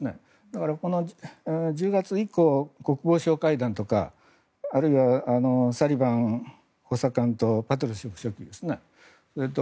だからこの１０月以降国防相会談とかあるいはサリバン補佐官とパトルシェフ書記ですね。